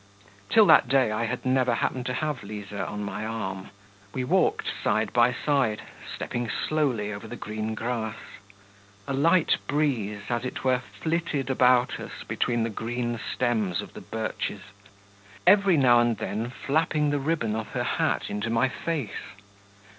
Till that day I had never happened to have Liza on my arm. We walked side by side, stepping slowly over the green grass. A light breeze, as it were, flitted about us between the white stems of the birches, every now and then flapping the ribbon of her hat into my face.